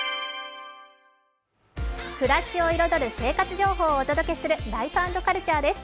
暮らしを彩る生活情報をお届けする「ライフ＆カルチャー」です。